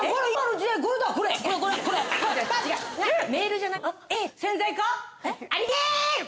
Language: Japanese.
違うメールじゃないよ。